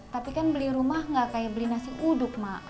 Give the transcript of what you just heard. tapi kan beli rumah nggak kayak beli nasi uduk mak